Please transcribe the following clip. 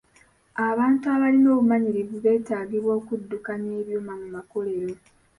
Abantu abalina obumanyirivu betaagibwa okuddukanya ebyuma mu makolero.